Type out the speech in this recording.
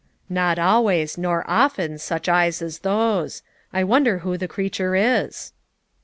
"Not always, nor often, such eyes as those. I wonder who the creature is."